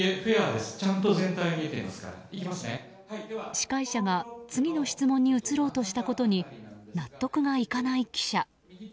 司会者が次の質問に移ろうとしたことに納得がいかない記者。